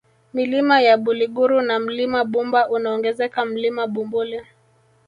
Milima ya Buliguru na Mlima Bumba unaongezeka Mlima Bumbuli